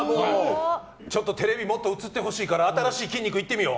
テレビもっと映ってほしいから新しい筋肉いってみよう。